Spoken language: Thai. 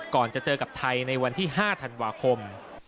ก่อนจะเจอกับไทยในวันที่๕ธันวาคม